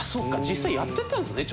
実際やってたんですね